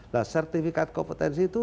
nah sertifikat kompetensi itu